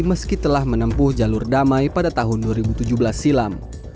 meski telah menempuh jalur damai pada tahun dua ribu tujuh belas silam